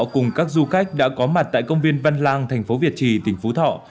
cùng các du khách đã có mặt tại công viên văn lang thành phố việt trì tỉnh phú thọ